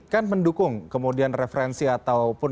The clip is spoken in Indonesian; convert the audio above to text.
kan mendukung kemudian referensi ataupun